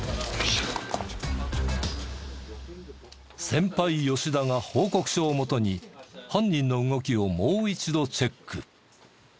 先輩吉田が報告書をもとに犯人の動きをもう一度チェック。